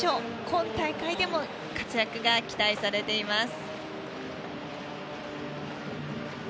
今大会でも活躍が期待されています。